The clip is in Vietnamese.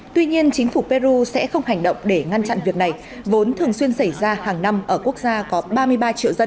tuy nhiên chính phủ peru sẽ không hành động để ngăn chặn việc này vốn thường xuyên xảy ra hàng năm ở quốc gia có ba mươi ba triệu dân